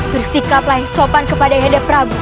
bersikap lahir sopan kepada yadav prabu